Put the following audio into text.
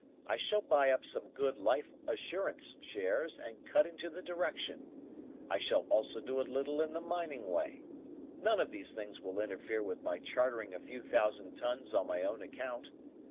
I shall buy up some good Life Assurance shares, and cut into the Direction. I shall also do a little in the mining way. None of these things will interfere with my chartering a few thousand tons on my own account.